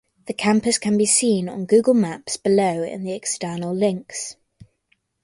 The Campus can be seen on Google Maps below in the External Links.